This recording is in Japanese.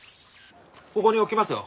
ここに置きますよ。